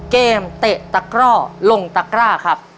เตะตะกร่อลงตะกร้าครับ